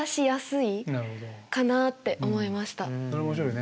それは面白いね。